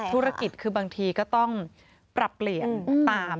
ธุรกิจคือบางทีก็ต้องปรับเปลี่ยนตาม